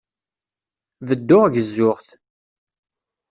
Bedduɣ gezzuɣ-t.